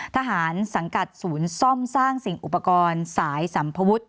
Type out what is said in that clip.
ทหารสังกัดศูนย์ซ่อมสร้างสิ่งอุปกรณ์สายสัมภวุฒิ